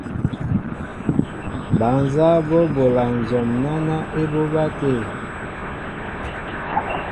Bal nzáá bɔ́ bola nzɔm náná ébobá tê.